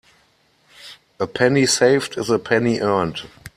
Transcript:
A penny saved is a penny earned.